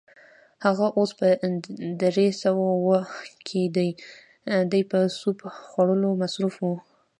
هغه اوس په درې سوه اووه کې دی، دی په سوپ خوړلو مصروف و.